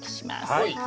はい。